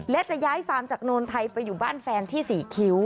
และจะย้ายฟาร์มจากโนนไทยไปอยู่บ้านแฟนที่สี่คิ้ว